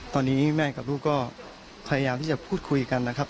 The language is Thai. ตอนนี้แม่กับลูกก็พยายามที่จะพูดคุยกันนะครับ